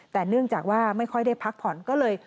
แต่เนื่องจากว่าไม่ค่อยได้พักผ่อนก็เลย